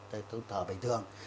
thời tự thờ bệnh thường